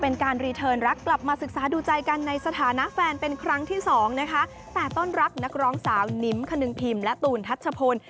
นิ้มคณึงพิมพ์และตูนทัชชะพล